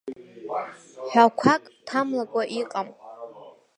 Ҳәақәак ҭамлакәа иҟам.